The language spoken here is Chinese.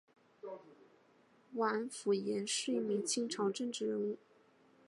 甄辅廷是一名清朝政治人物。